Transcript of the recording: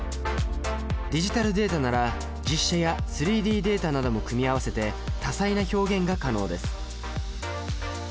ディジタルデータなら実写や３Ｄデータなども組み合わせて多彩な表現が可能です。